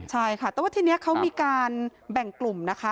ใช่ค่ะแต่ว่าทีนี้เขามีการแบ่งกลุ่มนะคะ